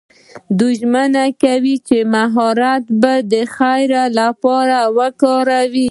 دوی ژمنه کوي چې مهارت به د خیر لپاره کاروي.